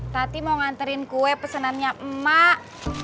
tati mau nganterin kue pesanannya emak